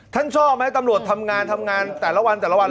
ชอบไหมตำรวจทำงานทำงานแต่ละวันแต่ละวัน